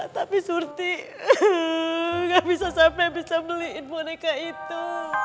tapi surti gak bisa sampai bisa beliin boneka itu